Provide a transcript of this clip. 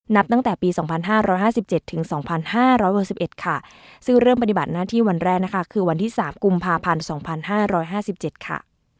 นับตั้งแต่ปี๒๕๕๗ถึง๒๕๖๑ค่ะซึ่งเริ่มปฏิบัติหน้าที่วันแรกนะคะคือวันที่๓กุมภาพันธ์๒๕๕๗ค่ะ